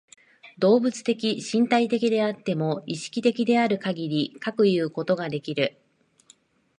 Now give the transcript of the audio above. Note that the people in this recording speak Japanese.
動物的身体的であっても、意識的であるかぎりかくいうことができる。